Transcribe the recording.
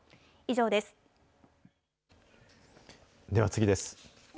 では、次です。